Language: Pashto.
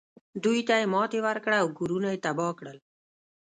دوی ته یې ماتې ورکړه او کورونه یې تباه کړل.